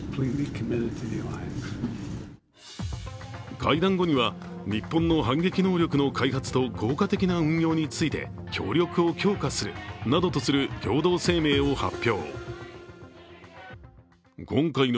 会談後には日本の反撃能力の開発と効果的な運用について協力を強化するなどとする共同声明を発表。